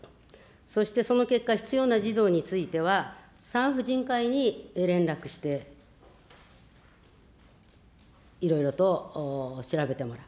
そしてその結果、必要な児童については、産婦人科医に連絡して、いろいろと調べてもらう。